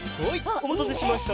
おまたせしました。